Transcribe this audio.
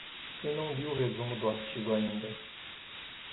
Eu não li o resumo do artigo ainda.